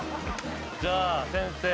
じゃあ先生。